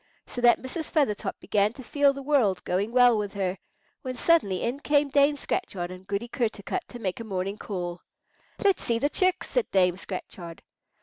So that Mrs. Feathertop began to feel the world going well with her, when suddenly in came Dame Scratchard and Goody Kertarkut to make a morning call. "Let's see the chicks," said Dame Scratchard.